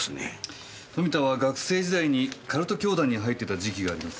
富田は学生時代にカルト教団に入ってた時期があります。